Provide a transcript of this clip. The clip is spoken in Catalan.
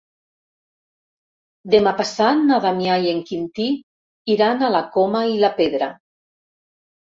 Demà passat na Damià i en Quintí iran a la Coma i la Pedra.